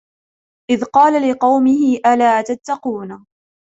إِذْ قَالَ لِقَوْمِهِ أَلَا تَتَّقُونَ